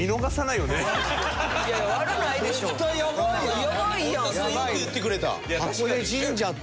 よく言ってくれた。